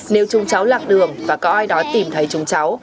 nếu chúng cháu lạc đường và có ai đó tìm thấy chúng cháu